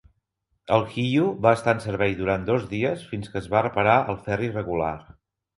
El "Hiyu" va estar en servei durant dos dies fins que es va reparar el ferri regular.